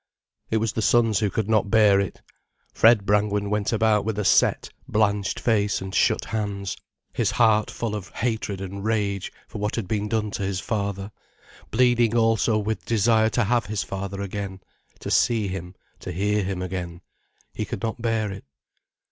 It was the sons who could not bear it. Fred Brangwen went about with a set, blanched face and shut hands, his heart full of hatred and rage for what had been done to his father, bleeding also with desire to have his father again, to see him, to hear him again. He could not bear it.